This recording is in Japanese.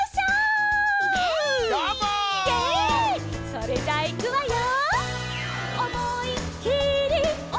それじゃいくわよ。